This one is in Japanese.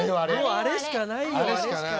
あれしかないよ。